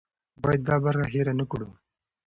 باید دا برخه هېره نه کړو.